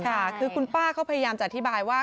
ค่ะคือคุณป้าเขาพยายามจะอธิบายว่า